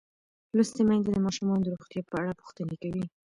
لوستې میندې د ماشومانو د روغتیا په اړه پوښتنې کوي.